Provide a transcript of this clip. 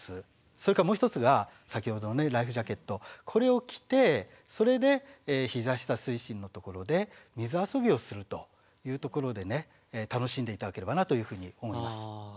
それからもう一つが先ほどのライフジャケットこれを着てそれでひざ下水深のところで水遊びをするというところで楽しんで頂ければなというふうに思います。